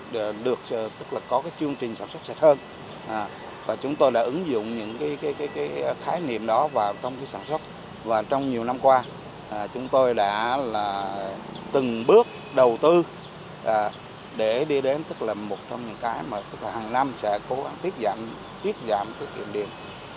để đi đến một trong những cái mà hàng năm sẽ cố gắng tiết giảm tiết kiệm điện hai mươi chín